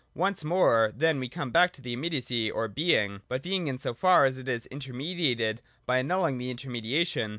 Once more then we come back to immediacy or Being, — but Being in so far as it is intermediated by annulling the intermediation.